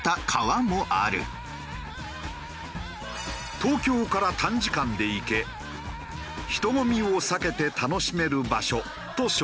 「東京から短時間で行け人混みを避けて楽しめる場所」と紹介。